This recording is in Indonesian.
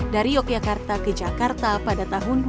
dari yogyakarta ke jakarta pada tahun dua ribu dua